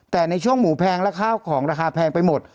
แต่ในช่วงของหราคาแพงไปหมด